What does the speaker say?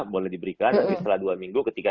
boleh diberikan nanti setelah dua minggu ketika